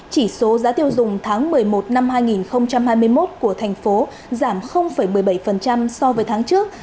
chỉ số giá tiêu dùng tháng một mươi một năm hai nghìn hai mươi một của thành phố giảm một mươi bảy so với tháng trước